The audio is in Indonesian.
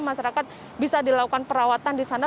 masyarakat bisa dilakukan perawatan di sana